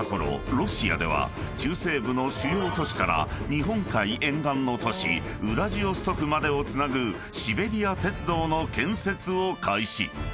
ロシアでは中西部の主要都市から日本海沿岸の都市ウラジオストクまでをつなぐシベリア鉄道の建設を開始］